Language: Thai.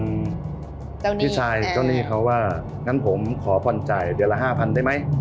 เจ้าหนี้พี่ชายเจ้าหนี้เขาว่างั้นผมขอผ่อนจ่ายเดือนละห้าพันได้ไหม